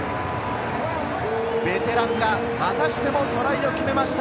ベテランがまたしてもトライを決めました！